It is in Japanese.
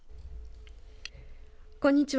こんにちは。